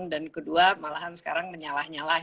dan kedua malahan sekarang menyalah nyalah